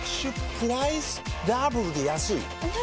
プライスダブルで安いＮｏ！